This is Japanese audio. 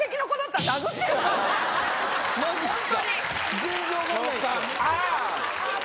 全然分かんない。